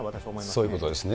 そういうことですね。